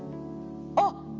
あっ！